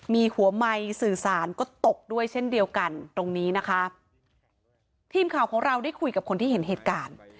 มีหัวไมค์สื่อสารก็ตกด้วยเช่นเดียวกันตรงนี้นะคะทีมข่าวของเราได้คุยกับคนที่เห็นเหตุการณ์